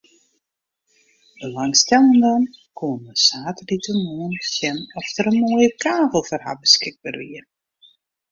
Belangstellenden koene saterdeitemoarn sjen oft der in moaie kavel foar har beskikber wie.